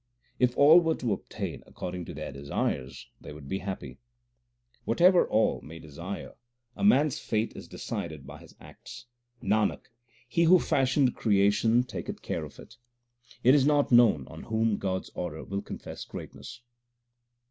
If all were to obtain according to their desires, they would be happy. Whatever all may desire, a man s fate is decided by his acts. Nanak, He who fashioned creation taketh care of it. It is not known on whom God s order will confer greatness.